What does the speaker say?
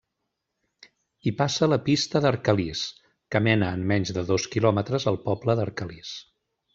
Hi passa la Pista d'Arcalís, que mena en menys de dos quilòmetres al poble d'Arcalís.